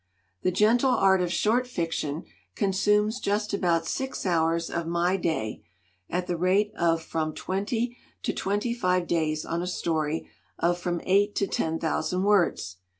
The gentle art of short fiction consumes just about six hours of my day at the rate of from twenty to twenty five days on a story of from eight to ten thousand words.